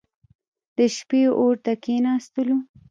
د شپې اور ته کښېنستلو.